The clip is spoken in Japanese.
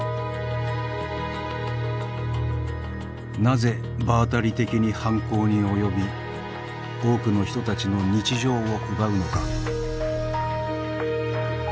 なぜ場当たり的に犯行に及び多くの人たちの日常を奪うのか。